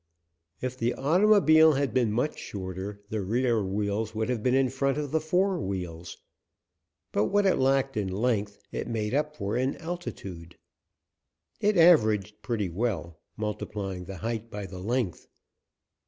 If the automobile had been much shorter the rear wheels would have been in front of the fore wheels. But what it lacked in length it made up in altitude. It averaged pretty well, multiplying the height by the length.